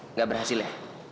nggak berhasil ya